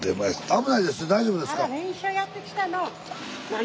大丈夫ですか。